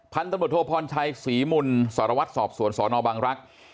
พันธุรกุร์ทโทพลใชกสีมุนสรวัสดิ์สอบสวนสอนอบังรักษ์